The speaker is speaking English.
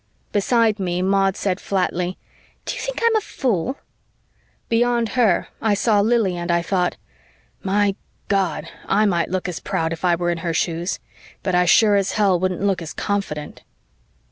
Beside me, Maud said flatly, "Do you think I'm a fool?" Beyond her, I saw Lili and I thought, "My God, I might look as proud if I were in her shoes, but I sure as hell wouldn't look as confident."